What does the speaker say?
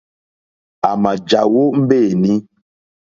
À mà jàwó mbéǃéní.